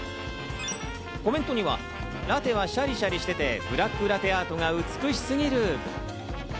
コメントには、ラテはシャリシャリしてて、ブラックラテアートが美しすぎる！